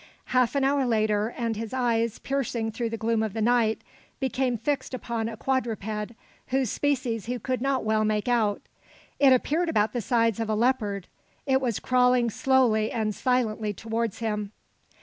Half an hour later, and his eyes, piercing through the gloom of the night, became fixed upon a quadruped, whose species he could not well make out. It appeared about the size of a leopard. It was crawling slowly and silently towards him.